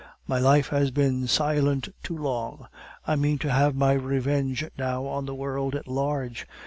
"My life has been silent too long. I mean to have my revenge now on the world at large.